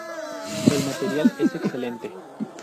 El material es excelente.